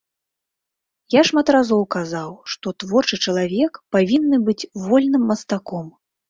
Я шмат разоў казаў, што творчы чалавек павінны быць вольным мастаком.